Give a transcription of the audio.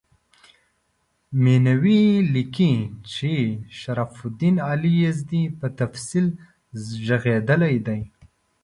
مینوي لیکي چې شرف الدین علي یزدي په تفصیل ږغېدلی دی.